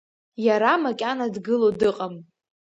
Иара макьана дгыло дыҟам.